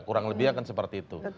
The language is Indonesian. kurang lebih akan seperti itu